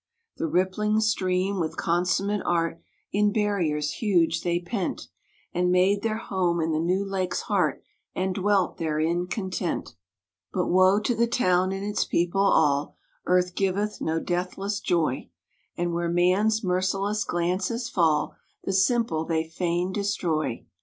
The rippling stream, with consummate art, In barriers huge they pent, And made their home in the new lake's heart, And dwelt therein content. But woe to the town and its people all! Earth giveth no deathless joy, And where man's merciless glances fall The simple they fain destroy.